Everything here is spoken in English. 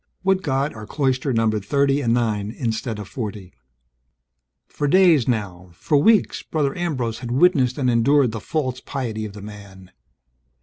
Would God our cloister numbered thirty and nine instead of forty. For days now, for weeks, Brother Ambrose had witnessed and endured the false piety of the man.